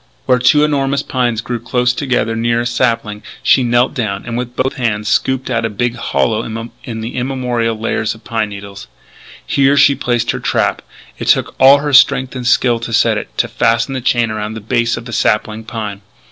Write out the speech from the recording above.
Where two enormous pines grew close together near a sapling, she knelt down, and, with both hands, scooped out a big hollow in the immemorial layers of pine needles. Here she placed her trap. It took all her strength and skill to set it; to fasten the chain around the base of the sapling pine.